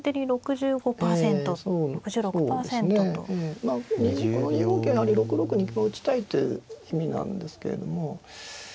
まあこの２五桂馬６六に歩を打ちたいという意味なんですけれども。